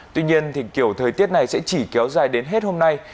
tuy nhiên thì kiểu thời tiết này sẽ chỉ kéo dài đến hết hôm nay